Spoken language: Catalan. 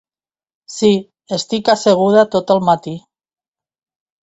Sí, estic asseguda tot el matí.